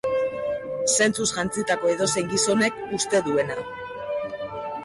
Zentzuz jantzitako edozein gizonek uste duena.